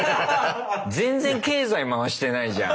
全然経済回してないじゃん。